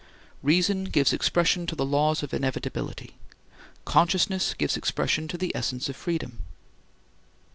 Reason gives expression to the laws of inevitability. Consciousness gives expression to the essence of freedom.